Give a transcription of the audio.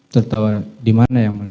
tertawa di mana yang